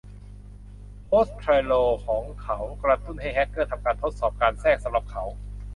โพสต์โทรลล์ของเขากระตุ้นให้แฮกเกอร์ทำการทดสอบการแทรกสำหรับเขา